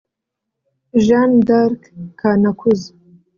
Jeanne D’Aarc Kanakuze